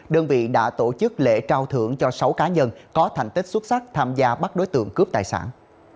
đơn vị đã tổ chức lễ trao thưởng cho sáu cá nhân có thành tích xuất sắc tham gia bắt đối tượng cướp tài sản